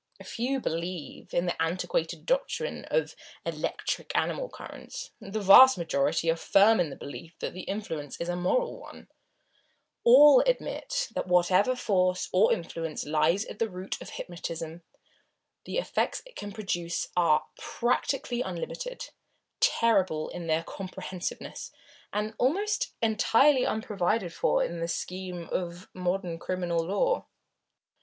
A few believe in the antiquated doctrine of electric animal currents, the vast majority are firm in the belief that the influence is a moral one all admit that whatever force, or influence, lies at the root of hypnotism, the effects it can produce are practically unlimited, terrible in their comprehensiveness, and almost entirely unprovided for in the scheme of modern criminal law.